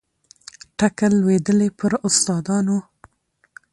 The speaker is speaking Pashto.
ټکه لوېدلې پر استادانو